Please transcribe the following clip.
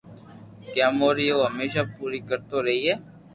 ڪہ اموري او ھميسہ پوري ڪرتو رھئي